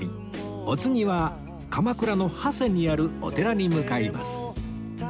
お次は鎌倉の長谷にあるお寺に向かいます